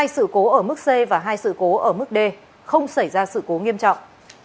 hai sự cố ở mức c và hai sự cố ở mức d không xảy ra sự cố nghiêm trọng